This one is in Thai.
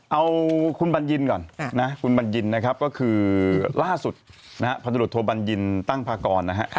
เอาคุณบรรยินก่อนนะคุณบรรยินนะครับก็คือล่าสุดพันธุระโทบรรยินตั้งภาคกรนะครับ